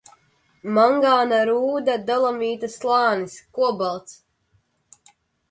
Mangāna rūda, dolomīta slānis. Kobalts.